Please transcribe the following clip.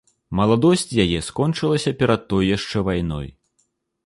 Маладосць яе скончылася перад той яшчэ вайной.